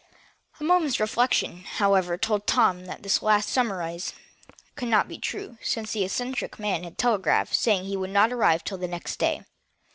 A moment's reflection, however, told Tom that this last surmise could not be true, since the eccentric man had telegraphed, saying he would not arrive until the next day.